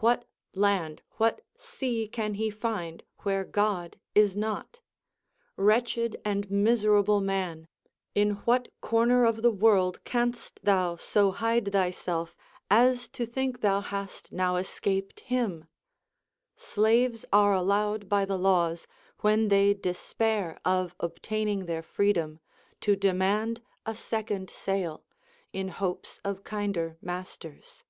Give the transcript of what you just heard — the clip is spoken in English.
What land, \vhat sea can he find where God is not 1 Wretched and miser able man ! in what corner of the Avorld canst thou so hide thyself, as to think thou hast now escaped hiin 1 Slaves are allowed by the laAvs, when they despair of obtaining their freedom, to demand a second sale, in hopes of kinder masters.